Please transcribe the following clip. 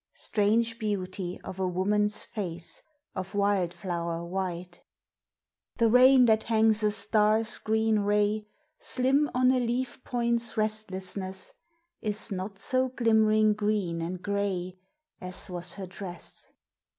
Strange beauty of a woman's face Of wildflow'r white! The rain that hangs a star's green ray Slim on a leaf point's restlessness, Is not so glimmering green and gray As was her dress.